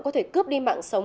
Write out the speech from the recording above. có thể cướp đi mạng sống